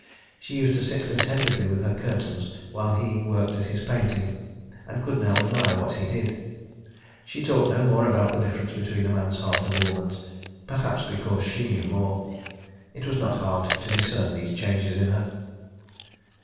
She used to sit contentedly with her curtains while he worked at his painting, and could now admire what he did. She talked no more about the difference between a man's heart and a woman's, perhaps because she knew more. It was not hard to discern these changes in her.